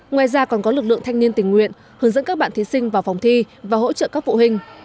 ngoài ra còn có lực lượng thanh niên tình nguyện hướng dẫn các bạn thí sinh vào phòng thi và hỗ trợ các phụ huynh